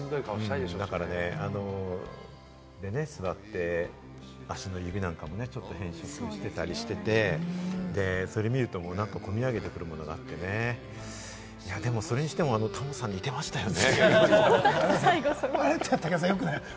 だからね、座って、足の指なんかも変色してたりなんかしてね、それを見ると何かこみ上げてくるものがあってね、それにしても、タモさん、似てましたよね。